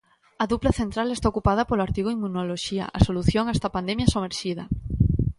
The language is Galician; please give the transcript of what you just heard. A dupla central está ocupada polo artigo Inmunoloxía, a solución a esta pandemia somerxida.